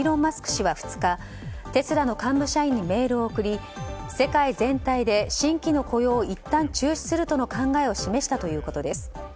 氏は２日テスラの幹部社員にメールを送り世界全体で新規の雇用をいったん中止するとの考えを示したということです。